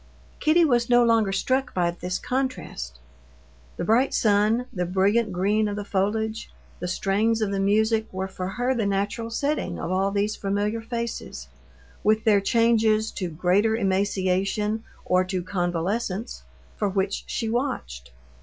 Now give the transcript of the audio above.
Kitty was no longer struck by this contrast. The bright sun, the brilliant green of the foliage, the strains of the music were for her the natural setting of all these familiar faces, with their changes to greater emaciation or to convalescence, for which she watched.